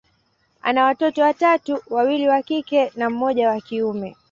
ana watoto watatu, wawili wa kike na mmoja wa kiume.